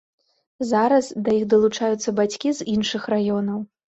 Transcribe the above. Зараз да іх далучаюцца бацькі з іншых раёнаў.